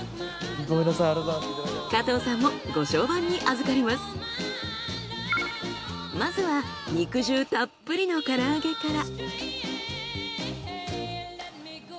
加藤さんもまずは肉汁たっぷりのから揚げから。